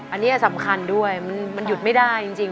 อันนี้สำคัญด้วยมันหยุดไม่ได้จริง